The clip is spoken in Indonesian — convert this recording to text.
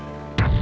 saya mau pergi